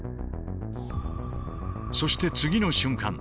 そして次の瞬間